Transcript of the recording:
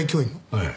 ええ。